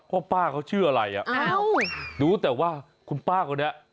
ว่าป้าเขาชื่ออะไรโอ้ดุแต่ว่าคุณป้าคนนี้